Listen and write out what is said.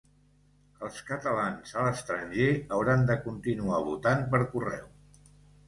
Els catalans a l'estranger hauran de continuar votant per correu